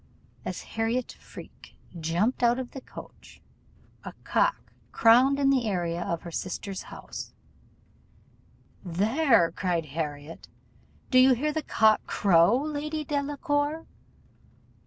As Harriot Freke jumped out of the coach, a cock crowed in the area of her sister's house: 'There!' cried Harriot, 'do you hear the cock crow, Lady Delacour?